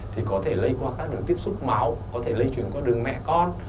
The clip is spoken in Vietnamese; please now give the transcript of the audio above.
thì có thể lây qua các đường tiếp xúc máu có thể lây chuyển qua đường mẹ con